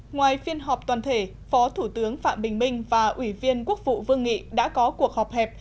ngoài phiên họp toàn thể phó thủ tướng phạm bình minh và ủy viên quốc vụ vương nghị đã có cuộc họp hẹp